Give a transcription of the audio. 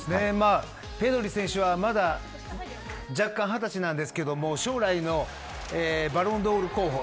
ペドリ選手は弱冠二十歳なんですけど将来のバロンドール候補。